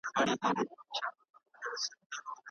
انتقاد باید رغنده او لارښوونکی وي.